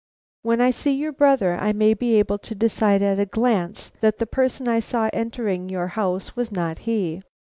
"When I see your brother, I may be able to decide at a glance that the person I saw entering your house was not he."